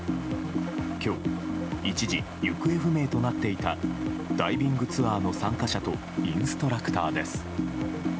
今日、一時行方不明となっていたダイビングツアーの参加者とインストラクターです。